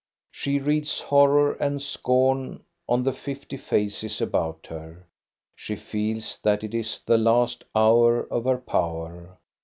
She reads horror and scorn on the fifty faces about her. She feels that it is the last hour of her power.